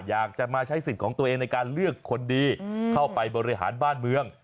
อยากจะมาใช้สิทธิ์ของตัวเองในการเลือกคนดีเข้าไปบริหารบ้านเมือง